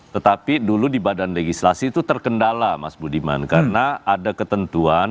tetapi dulu di badan legislasi itu terkendala mas budiman karena ada ketentuan